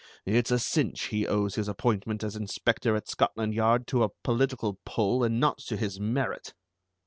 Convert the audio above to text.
It's a cinch he owes his appointment as Inspector at Scotland Yard to a political pull, and not to his merit!"